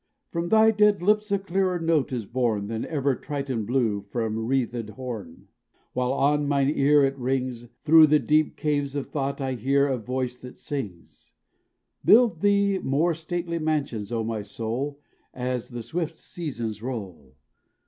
From thy dead lips a clearer note is born, Than ever Triton blew from wreathéd horn! While on mine ear it rings, Through the deep caves of thought I hear a voice that sings: Build thee more stately mansions, O my soul, As the swift seasons roll!